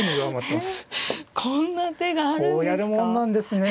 こんな手があるんですか。